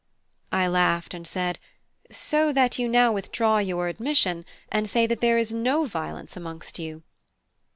I laughed, and said: "So that you now withdraw your admission, and say that there is no violence amongst you?"